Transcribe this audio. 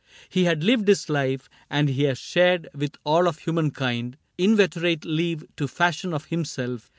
He had lived his life. And he had shared, with all of humankind. Inveterate leave to fashion of himself.